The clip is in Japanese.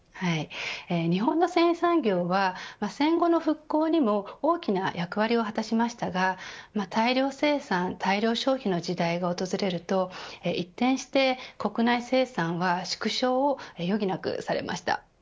日本の繊維産業は戦後の復興にも大きな役割を果たしましたが大量生産、大量消費の時代が訪れると一転して国内生産は縮小を余儀なくされました。